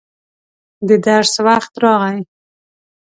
د درس وخت راغی.